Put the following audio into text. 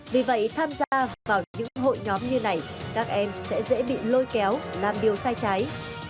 vì vậy tham gia vào những hội nhóm như này các em sẽ dễ bị lôi kéo làm điều sai trái